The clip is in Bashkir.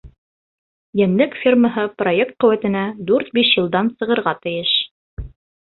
Йәнлек фермаһы проект ҡеүәтенә дүрт-биш йылдан сығырға тейеш.